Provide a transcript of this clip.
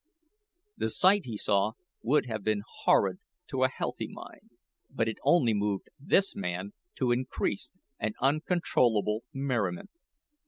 The sight he saw would have been horrid to a healthy mind, but it only moved this man to increased and uncontrollable merriment.